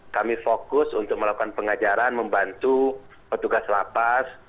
kami fokus untuk melakukan pengajaran membantu petugas lapas